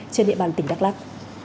trên địa bàn tỉnh đắk lắc